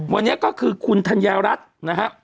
วันนี้ก็คือคุณธัญญารัฐนะครับ